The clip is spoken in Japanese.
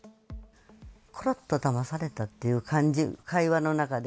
ころっとだまされたという感じ、会話の中で。